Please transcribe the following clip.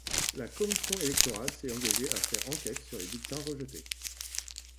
La commission électorale s'est engagé à faire enquête sur les bulletins rejetés.